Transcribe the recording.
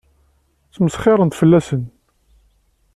Ttmesxiṛent fell-asen.